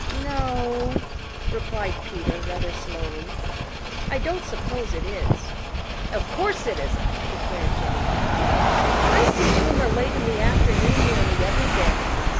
"No o," replied Peter rather slowly. "I don't suppose it is." "Of course it isn't," declared Jenny Wren. "I see Boomer late in the afternoon nearly every day.